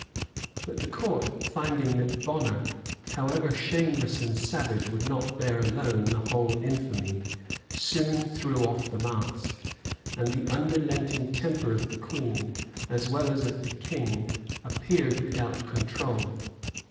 [] But the court, finding that Bonner, however shameless and savage, would not bear alone the whole infamy, soon threw off the mask; and the unrelenting temper of the queen, as well as of the king, appeared without control.